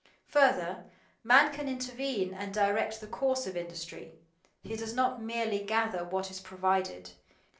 Further, man can intervene and direct the course of industry; he does not merely gather what is provided.